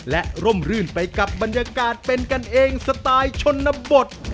และร่มรื่นไปกับบรรยากาศเป็นกันเองสไตล์ชนบท